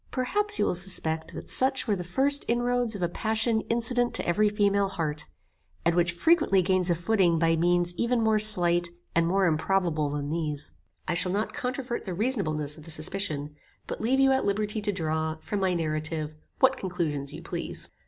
Perhaps you will suspect that such were the first inroads of a passion incident to every female heart, and which frequently gains a footing by means even more slight, and more improbable than these. I shall not controvert the reasonableness of the suspicion, but leave you at liberty to draw, from my narrative, what conclusions you please.